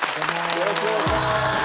よろしくお願いします。